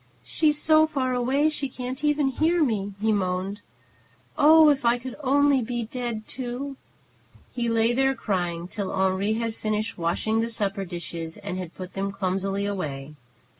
"She's so far away she can't even hear me!" he moaned. "Oh, if I could only be dead, too!" He lay there, crying, till Henri had finished washing the supper dishes and had put them clumsily away.